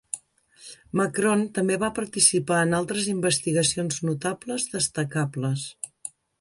McCrone també va participar en altres investigacions notables destacables.